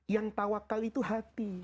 yang tawakal itu hati bukan tangan